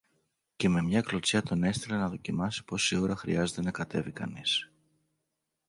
και με μια κλωτσιά τον έστειλε να δοκιμάσει πόση ώρα χρειάζεται να κατέβει κανείς